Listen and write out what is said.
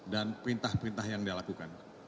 dan perintah perintah yang dia lakukan